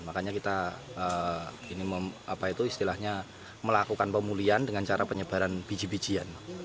makanya kita istilahnya melakukan pemulihan dengan cara penyebaran biji bijian